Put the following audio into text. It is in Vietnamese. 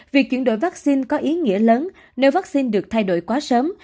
việc chuyển đổi vaccine có ý nghĩa lớn nếu vaccine được thay đổi quá sớm